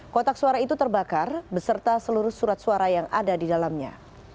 kotak suara itu terbakar beserta seluruh surat suara yang ada di dalamnya